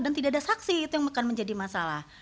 dan tidak ada saksi itu yang akan menjadi masalah